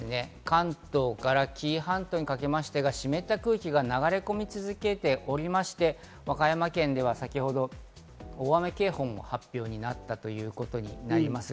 関東から紀伊半島にかけて湿った空気が流れ込み続けておりまして、和歌山県では先ほど大雨警報も発表になったということになっています。